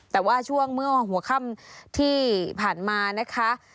แต่ว่าช่วงเมื่อหัวค่ำที่ผ่านมานะคะ